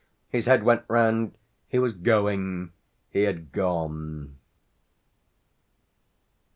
His head went round; he was going; he had gone.